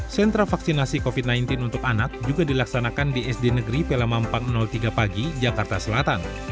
sentra vaksinasi covid sembilan belas untuk anak juga dilaksanakan di sd negeri pelama empat ratus tiga pagi jakarta selatan